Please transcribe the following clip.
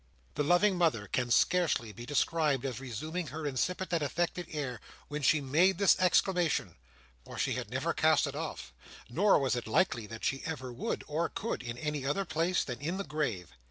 The loving mother can scarcely be described as resuming her insipid and affected air when she made this exclamation; for she had never cast it off; nor was it likely that she ever would or could, in any other place than in the grave.